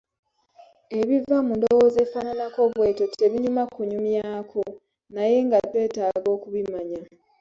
Ebiva mu ndowooza efaananako bw’etyo tebinyuma kunyumyako naye nga twetaaga okubimanya,